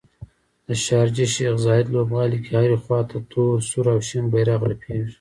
د شارجې شیخ ذاید لوبغالي کې هرې خواته تور، سور او شین بیرغ رپیږي